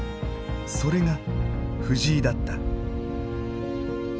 それが藤井だった。